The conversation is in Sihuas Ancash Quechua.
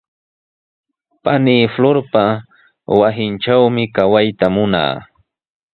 Panii Florpa wasintrawmi kawayta munaa.